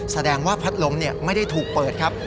แสดงว่าพัดลมไม่ได้ถูกเปิดครับ